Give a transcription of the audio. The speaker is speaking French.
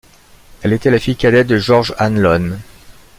Elle était la fille cadette de George Hanlon.